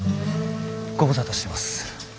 ご無沙汰してます。